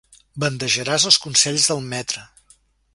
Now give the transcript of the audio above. Bandejaràs els consells del maître.